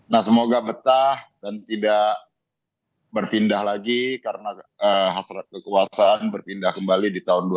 nah semoga betah dan tidak berpindah lagi karena hasrat kekuasaan berpindah kembali di tiongkok